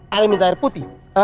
hal yang minta air putih